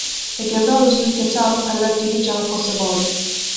Эгерде ал үзүлүп кетсе аны кайрадан тигип, жамап койсо болот.